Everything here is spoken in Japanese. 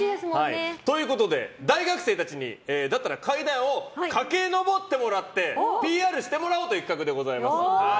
ということで、大学生たちに階段を駆け上ってもらってＰＲしてもらおうという企画でございます。